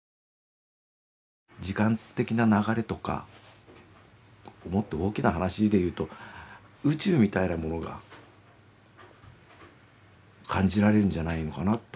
時間的な流れとかもっと大きな話で言うと宇宙みたいなものが感じられるんじゃないのかなと。